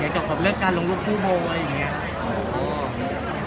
จากการลงรุกผู้บ๊อย